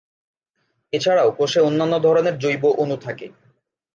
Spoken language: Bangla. এছাড়াও কোষে অন্যান্য ধরনের জৈব অণু থাকে।